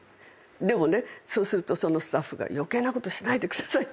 でもねそうするとそのスタッフが「余計なことしないでください！」って怒るんですけど。